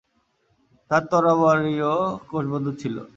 তার তরবারিও কোষবদ্ধ ছিল।